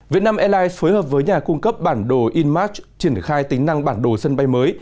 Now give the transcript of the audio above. việt nam airlines phối hợp với nhà cung cấp bản đồ inmarch triển khai tính năng bản đồ sân bay mới